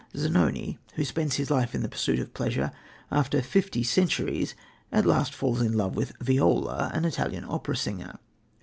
Zanoni, who spends his life in the pursuit of pleasure, after fifty centuries at last falls in love with Viola, an Italian opera singer.